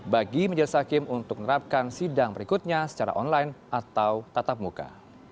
bagi menjelaskan untuk menerapkan sidang berikutnya secara online atau tetap muka